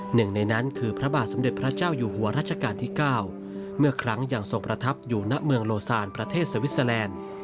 หนึ่งในนั้นคือพระบาทสมเด็จพระเจ้าอยู่หัวรัชกาลที่๙เมื่อครั้งยังทรงประทับอยู่ณเมืองโลซานประเทศสวิสเตอร์แลนด์